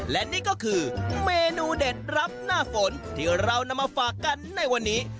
และนี่ก็คือเมนูเด็ดรับหน้าฝนที่เรานำมาฝากกันในวันนี้